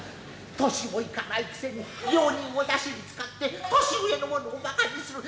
年も行かないくせに病人をだしに使って年上の者をばかにする。